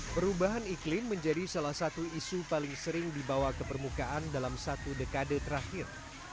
perubahan iklim menjadi salah satu isu paling sering dibawa ke permukaan dalam satu dekade terakhir